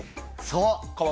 そう。